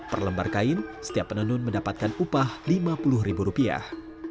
per lembar kain setiap penenun mendapatkan upah lima puluh ribu rupiah